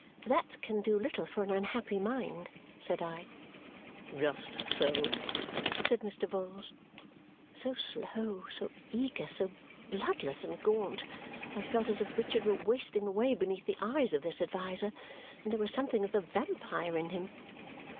"That can do little for an unhappy mind," said I. "Just so," said Mr. Vholes. So slow, so eager, so bloodless and gaunt, I felt as if Richard were wasting away beneath the eyes of this adviser and there were something of the vampire in him.